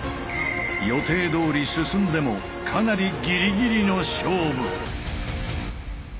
予定どおり進んでもかなりギリギリの勝負。